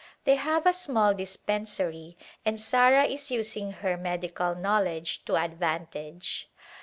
They have a small dispensary and Sarah is using her medical knowledge to advantage.